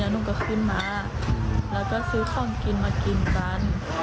นุ่งก็ขึ้นมาแล้วก็ซื้อของกินมากินกัน